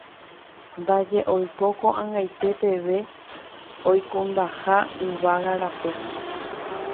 ndaje oiko ko'ag̃aite peve oikundaha yvága rape